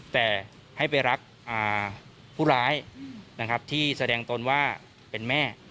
แต่ให้ไปรักผู้ร้ายนะครับที่แสดงตนว่าเป็นแม่